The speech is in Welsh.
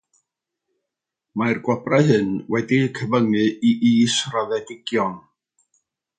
Mae'r gwobrau hyn wedi'u cyfyngu i israddedigion.